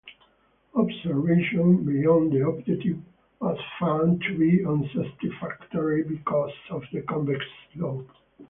Observation beyond the objective was found to be unsatisfactory because of the convex slope.